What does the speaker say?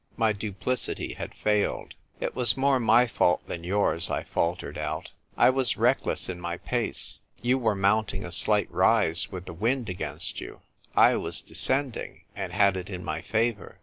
My duplicity had failed. " It was more my fault than yours," I faltered out. " I was reckless in my pace. You were mounting a slight rise, with the wind against you : I was descending, and had it in my favour.